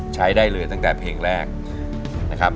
ใช้ได้เลยตั้งแต่เพลงแรกนะครับ